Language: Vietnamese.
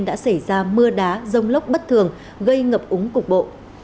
đã xảy ra mưa đá rông lốc bất thường gây ngập úng cục bộ